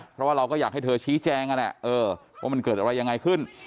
เพราะว่าเราก็อยากให้เธอชี้แจงนั่นแหละว่ามันเกิดอะไรยังไงขึ้น